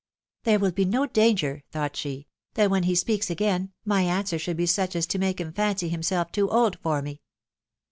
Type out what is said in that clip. .•." There will at no danger,'9 thought she, " that when he speaks again* nvj answer should be such as to make him fancy himself tea aid for me."